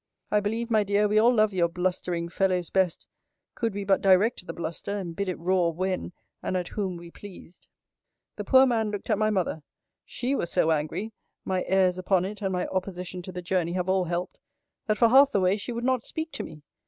I believe, my dear, we all love your blustering fellows best; could we but direct the bluster, and bid it roar when and at whom we pleased. The poor man looked at my mother. She was so angry, (my airs upon it, and my opposition to the journey, have all helped,) that for half the way she would not speak to me.